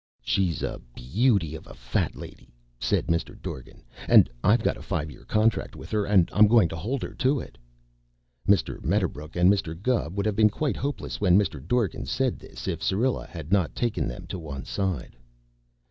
"She's a beauty of a Fat Lady," said Mr. Dorgan, "and I've got a five year contract with her and I'm going to hold her to it." Mr. Medderbrook and Mr. Gubb would have been quite hopeless when Mr. Dorgan said this if Syrilla had not taken them to one side.